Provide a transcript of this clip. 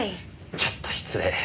ちょっと失礼。